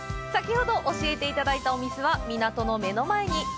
先ほど教えていただいたお店は港の目の前に！